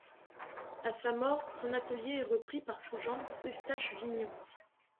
À sa mort, son atelier est repris par son gendre Eustache Vignon.